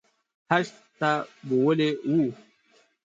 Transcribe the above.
حج ته بوولي وو